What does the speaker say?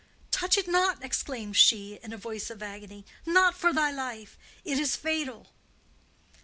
"Touch it not!" exclaimed she, in a voice of agony. "Not for thy life! It is fatal!"